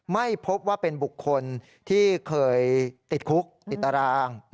ไม่พบว่าเป็นบุคคลที่เคยติดคุกติดตาราง